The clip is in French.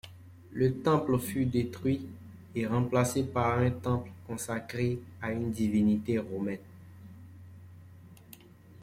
Le temple fut détruit et remplacé par un temple consacré à une divinité romaine.